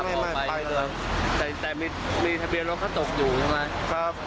เขาขับออกไปแต่แต่มีมีทะเบียนรถเขาตกอยู่ใช่ไหมครับ